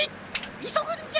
いそぐんじゃ！